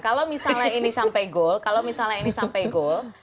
kalau misalnya ini sampai gol kalau misalnya ini sampai gol